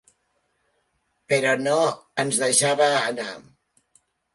Però no ens deixava anar.